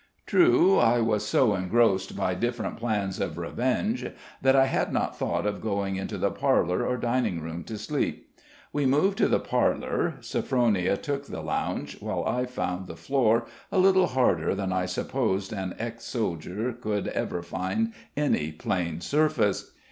True. I was so engrossed by different plans of revenge, that I had not thought of going into the parlor or dining room to sleep. We moved to the parlor; Sophronia took the lounge, while I found the floor a little harder than I supposed an ex soldier could ever find any plane surface.